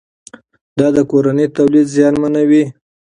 دا د کورني تولید زیانمنوي.